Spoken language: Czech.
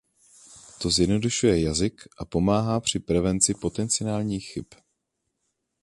To zjednodušuje jazyk a pomáhá při prevenci potenciálních chyb.